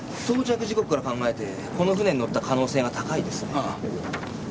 到着時刻から考えてこの船に乗った可能性が高いですね。